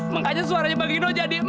makanya suaranya bang gino jadi